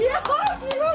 すごい。